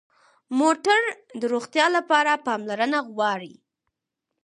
موټر د روغتیا لپاره پاملرنه غواړي.